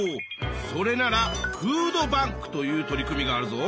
それならフードバンクという取り組みがあるぞ。